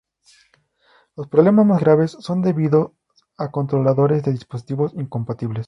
Los problemas más graves son debidos a controladores de dispositivo incompatibles.